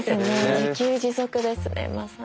自給自足ですねまさに。